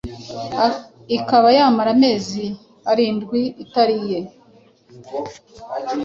ikaba yamara amezi arindwi itariye